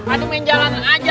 aduh main jalanan aja